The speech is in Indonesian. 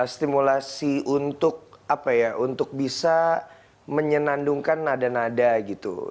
stimulasi untuk apa ya untuk bisa menyenandungkan nada nada gitu